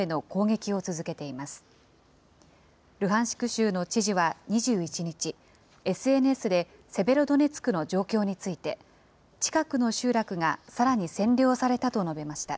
州の知事は２１日、ＳＮＳでセベロドネツクの状況について、近くの集落がさらに占領されたと述べました。